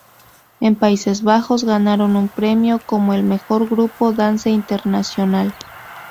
En Países Bajos ganaron un premio como "El Mejor grupo Dance Internacional".